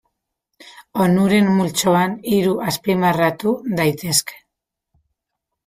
Onuren multzoan hiru azpimarratu daitezke.